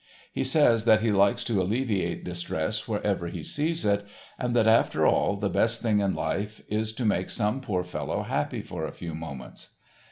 He says that he likes to alleviate distress wherever he sees it; and that after all, the best thing in life is to make some poor fellow happy for a few moments.